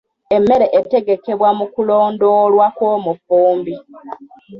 Emmere etegekebwa mu kulondoolwa kw'omufumbi.